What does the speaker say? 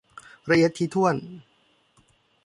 ละเอียดถี่ถ้วน